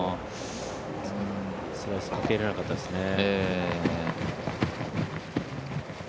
スライスかけきれなかったですね。